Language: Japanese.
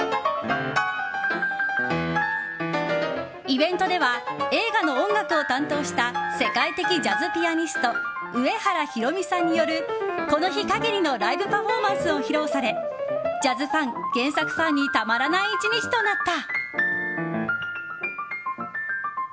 イベントでは映画の音楽を担当した世界的ジャズピアニスト上原ひろみさんによるこの日限りのライブパフォーマンスも披露されジャズファン、原作ファンにたまらない１日となった。